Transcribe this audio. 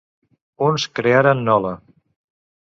Uns crearen Nola!